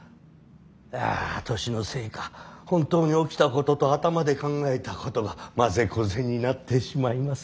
いや年のせいか本当に起きたことと頭で考えたことがまぜこぜになってしまいます。